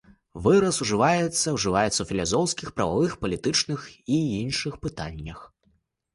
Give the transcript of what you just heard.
Выраз ужываецца ўжываецца ў філасофскіх, прававых, палітычных і іншых пытаннях.